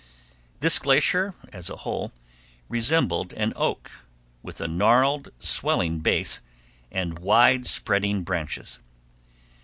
This glacier, as a whole, resembled an oak, with a gnarled swelling base and wide spreading branches.